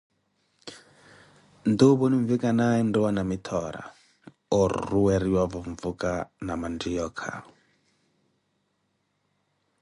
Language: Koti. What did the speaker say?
Nti opo ninvikanaaye enriwa Namithoora, oruweriwavo mvuka na manttioyakha.